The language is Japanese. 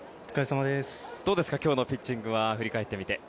どうですか今日のピッチングは振り返ってみて。